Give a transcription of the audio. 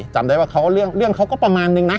จำได้ว่าเขาเรื่องเขาก็ประมาณนึงนะ